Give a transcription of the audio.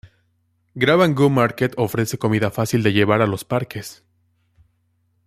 Grab-N-Go Market ofrece comida fácil de llevar a los parques.